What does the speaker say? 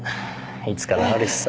いつか治るしさ。